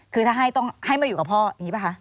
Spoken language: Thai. คือถ้าให้ต้องให้มาอยู่กับพ่ออย่างนี้ป่ะคะ